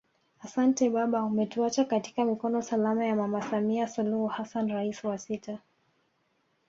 Asante baba umetuacha katika mikono salama ya Mama Samia Suluhu Hassan Rais wa sita